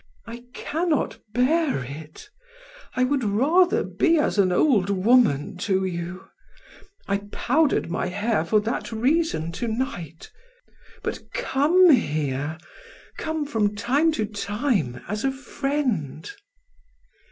I cannot bear it. I would rather be as an old woman to you. I powdered my hair for that reason to night; but come here come from time to time as a friend."